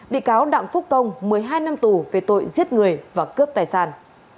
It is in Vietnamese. bị cáo đặng phúc công một mươi hai năm tù về tội giết người và cướp tài sản